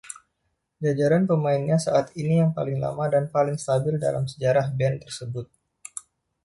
Jajaran pemainnya saat ini yang paling lama dan paling stabil dalam sejarah band tersebut.